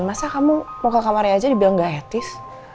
masa kamu mau ke kamarnya aja dibilang gak etis